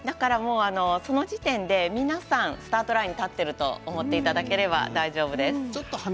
その時点で皆さんスタートラインに立っていると思っていただければ大丈夫です。